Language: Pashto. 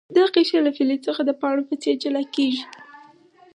دا قشر له فلز څخه د پاڼو په څیر جلا کیږي.